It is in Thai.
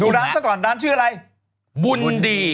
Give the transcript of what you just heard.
ดูร้านซะก่อนร้านชื่ออะไร